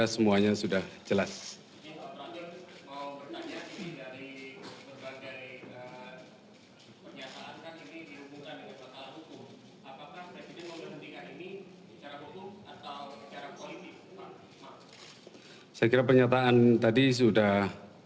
saya kira pernyataan tadi sudah